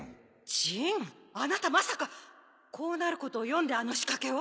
ジンあなたまさかこうなることを読んであの仕掛けを？